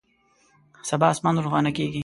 سبا اسمان روښانه کیږي